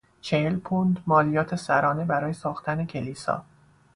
چهل پوند مالیات سرانه برای ساختن کلیسا